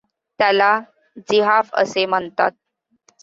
त्याला ज़िहाफ असे म्हणतात.